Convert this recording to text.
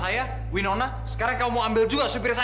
setelah papa saya nong nona sekarang kamu mau ambil juga si supir saya